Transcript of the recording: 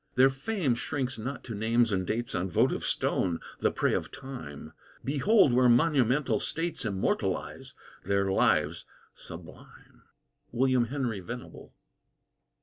Their fame shrinks not to names and dates On votive stone, the prey of time; Behold where monumental States Immortalize their lives sublime! WILLIAM HENRY VENABLE.